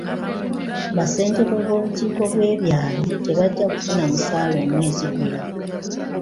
Bassentebe b'obukiiko bw'ebyalo tebajja kufuna musaala omwezi guno.